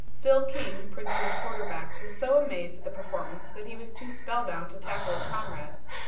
Phil King, Princeton's quarterback, was so amazed at the performance that he was too spellbound to tackle his comrade.